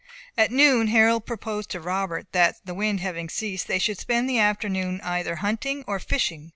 At noon Harold proposed to Robert that, the wind having ceased, they should spend the afternoon either in hunting or fishing.